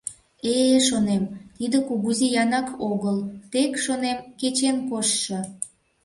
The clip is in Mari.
Э-э, шонем, тиде кугу зиянак огыл, тек, шонем, кечен коштшо.